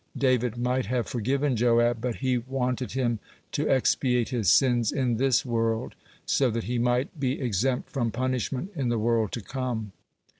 David might have forgiven Joab, but he wanted him to expiate his sins in this world, so that he might be exempt from punishment in the world to come.